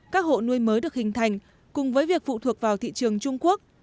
các hộ nuôi mới được hình thành cùng với việc phụ thuộc vào thị trường trung quốc